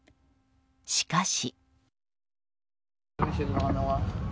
しかし。